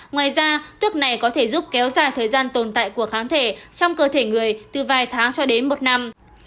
ngoài ra thuốc này có thể giúp kéo dài thời gian tồn tại của kháng thể trong cơ thể người từ vài tháng cho đến một năm